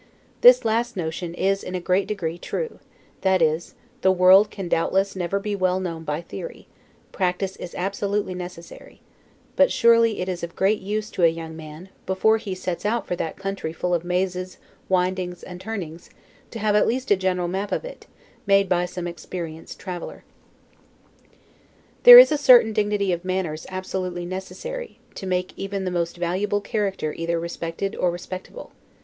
This last notion is in a great degree true; that is, the world can doubtless never be well known by theory: practice is absolutely necessary; but surely it is of great use to a young man, before he sets out for that country full of mazes, windings, and turnings, to have at least a general map of it, made by some experienced traveler. There is a certain dignity of manners absolutely necessary, to make even the most valuable character either respected or respectable.